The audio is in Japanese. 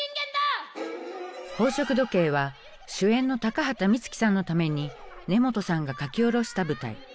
「宝飾時計」は主演の高畑充希さんのために根本さんが書き下ろした舞台。